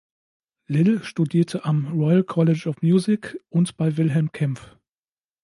Lill studierte am Royal College of Music und bei Wilhelm Kempff.